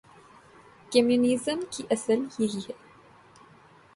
Communism کی اصل یہی ہے۔